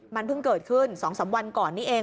มันเพิ่งเกิดขึ้น๒๓วันก่อนนี้เอง